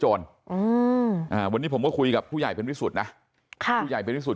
โจรวันนี้ผมก็คุยกับผู้ใหญ่เป็นวิสุทธิ์นะผู้ใหญ่เป็นวิสุทธิ์